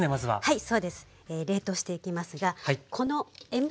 はい。